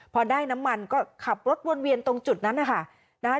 พอได้น้ำมันก็ขับรถวนเวียนตรงจุดนั้นนะคะ